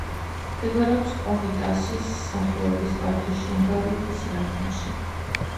მდებარეობს კომიტასის სახელობის პარკში შენგავითის რაიონში.